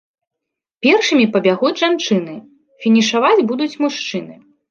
Першымі пабягуць жанчыны, фінішаваць будуць мужчыны.